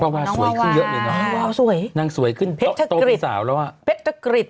วาววาสวยขึ้นเยอะเลยนะนางสวยขึ้นต้มสาวแล้ว